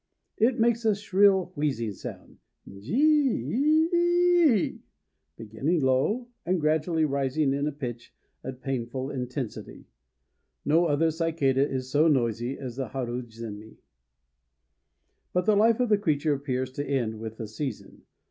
It makes a shrill wheezing sound, ji i i i i iiiiiiii, beginning low, and gradually rising to a pitch of painful intensity. No other cicada is so noisy as the haru zémi; but the life of the creature appears to end with the season.